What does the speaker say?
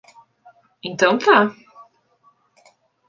Então tá.